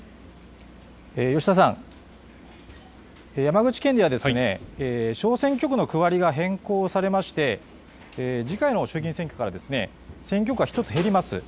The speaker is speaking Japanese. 吉田さん、山口県では小選挙区の区割りが変更されまして次回の衆議院選挙から選挙区が１つ減ります。